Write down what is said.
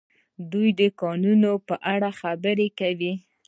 دوی د کانونو په اړه خبرې کوي.